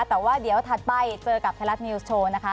แต่ว่าเดี๋ยวถัดไปเจอกับไทยรัฐนิวส์โชว์นะคะ